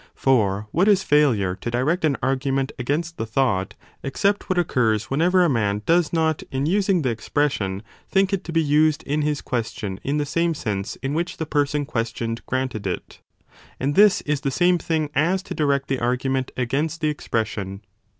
For what is failure to direct an argument against the thought except what occurs whenever a man does not in using the CHAPTER X i 7 o b expression think it to be used in his question in the same sense in which the person questioned granted it ? And this is the same thing" as to direct the argument against the expression.